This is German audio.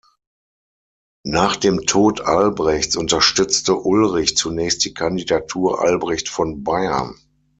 Nach dem Tod Albrechts unterstützte Ulrich zunächst die Kandidatur Albrecht von Bayern.